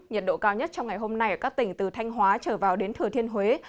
nhiệt độ cao nhất trong ngày hôm nay ở các tỉnh từ thanh hóa trở vào đến thừa thiên huế